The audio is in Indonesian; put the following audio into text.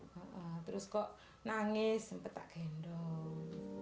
iya terus kok nangis sempat digendong